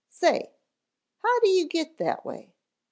"Say, how do you get that way?"